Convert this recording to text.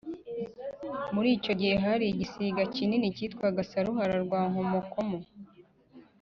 Muri icyo gihe hariho igisiga kinini kikitwa Saruhara rwa Nkomokomo